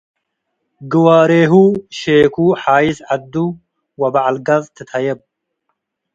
ግዋሬሁ፡ ሼኩ፡ ሓይስ-ዐዱ፡ ወበዐል-ገጽ ትትሀየብ ።